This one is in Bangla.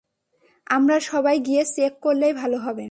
আমরা সবাই গিয়ে চেক করলেই ভালো হবে!